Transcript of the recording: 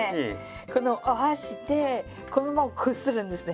このお箸でこのままこするんですね。